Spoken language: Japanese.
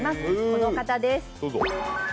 この方です。